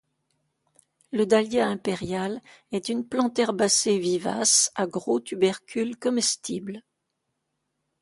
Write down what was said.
Le dahlia impérial est une plante herbacée vivace à gros tubercules comestibles.